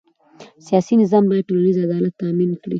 سیاسي نظام باید ټولنیز عدالت تأمین کړي